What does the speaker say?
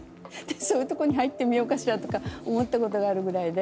そういうとこに入ってみようかしらとか思ったことがあるぐらいで。